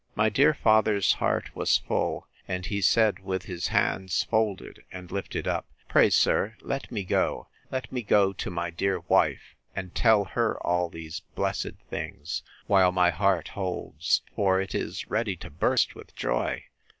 My dear father's heart was full; and he said, with his hands folded, and lifted up, Pray, sir, let me go—let me go—to my dear wife, and tell her all these blessed things, while my heart holds; for it is ready to burst with joy!